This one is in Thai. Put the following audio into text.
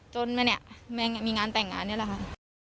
จนมันนั้นมันมามีงานแต่งงานนี่ล่ะค่ะ